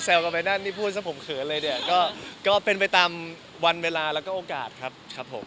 กันไปนั่นที่พูดซะผมเขินเลยเนี่ยก็เป็นไปตามวันเวลาแล้วก็โอกาสครับครับผม